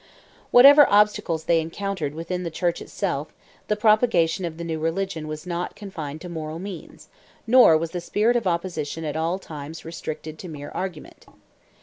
Whatever obstacles they encountered within the Church itself, the propagation of the new religion was not confined to moral means, nor was the spirit of opposition at all tunes restricted to mere argument.